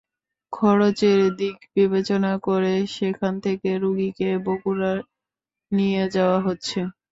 খরচের দিক বিবেচনা করে সেখান থেকে রোগীকে বগুড়ায় নিয়ে যাওয়া হচ্ছে।